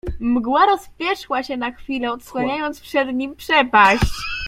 "Mgła rozpierzchła się na chwilę, odsłaniając przed nim przepaść."